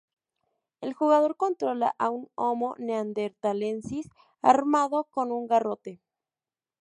El jugador controla a un homo neanderthalensis armado con un garrote.